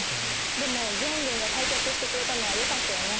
でも元軍が退却してくれたのはよかったよね。